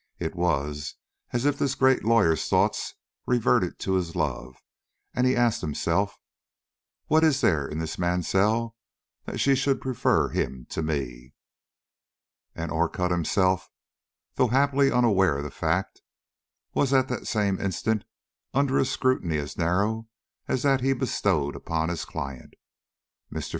It was as if this great lawyer's thoughts reverted to his love, and he asked himself: "What is there in this Mansell that she should prefer him to me?" And Orcutt himself, though happily unaware of the fact, was at that same instant under a scrutiny as narrow as that he bestowed upon his client. Mr.